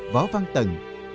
võ văn tần